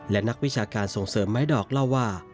และนักวิชาการส่งเสริมไม้ดอกเล่าว่า